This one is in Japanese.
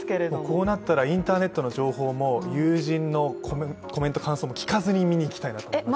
こうなったらインターネットの情報も友人のコメント、感想も聞かずに見に行きたいと思いました。